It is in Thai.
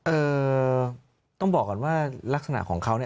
เอ่อต้องบอกก่อนว่าลักษณะของเขาเนี่ย